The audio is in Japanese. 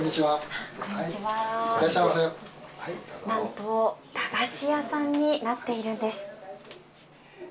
何と、駄菓子屋さんになっているんです。